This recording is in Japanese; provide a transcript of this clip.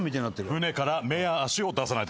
船から目や足を出さないでください。